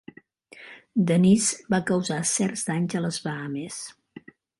Dennis va causar certs danys a les Bahames.